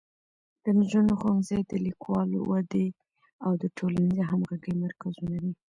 د نجونو ښوونځي د کلیوالو ودې او د ټولنیزې همغږۍ مرکزونه دي.